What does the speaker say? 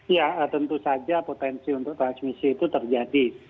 ya tentu saja potensi untuk transmisi itu terjadi